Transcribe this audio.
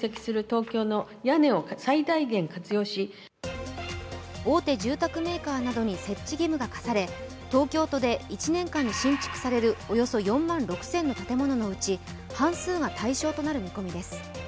大手住宅メーカーなどに設置義務が課され、東京都で１年間に新築されるおよそ４万６０００の建物のうち半数が対象となる見込みです。